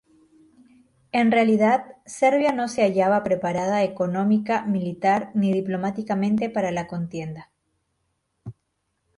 En realidad, Serbia no se hallaba preparada económica, militar ni diplomáticamente para la contienda.